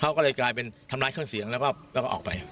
เขาก็เลยกลายเป็นทำร้ายเครื่องเสียงแล้วก็ออกไป